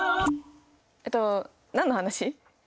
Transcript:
えっと何の話？